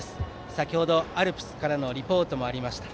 先程、アルプスからのリポートでもありました